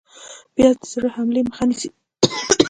پیاز د زړه حملې مخه نیسي